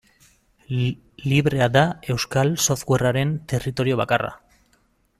Librea da euskal softwarearen territorio bakarra.